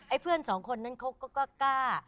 เพื่อนสองคนนั้นเขาก็กล้า